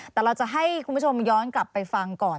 แต่เราจะให้คุณผู้ชมย้อนกลับไปฟังก่อน